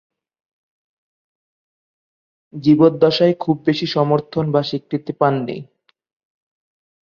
জীবদ্দশায় খুব বেশি সমর্থন বা স্বীকৃতি পাননি।